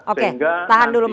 oke tahan dulu mas